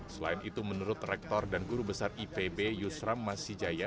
selain itu menurut rektor dan guru besar ipb yusram masih jaya